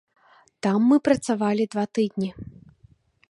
Там мы працавалі два тыдні.